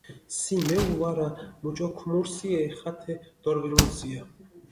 სი მეუ ვარა, მუჭო ქუმურსიე, ხათე დორჸვილუნსია.